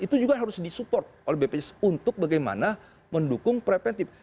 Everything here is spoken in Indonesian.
itu juga harus di support oleh bpjs untuk bagaimana mendukung preventive